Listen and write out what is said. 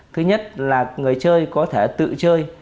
thứ nhất là người chơi có thể tự chơi